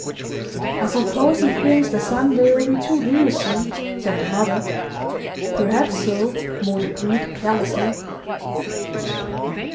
'I suppose he thinks the Sunday will be too wearisome,' said the mother. 'Perhaps so,' Maud agreed, carelessly.